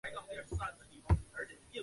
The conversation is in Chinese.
伍姓回族主要分布在江浙和湖南等地。